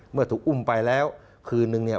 เมื่อถูกอุ้มไปแล้วคืนนึงเนี่ย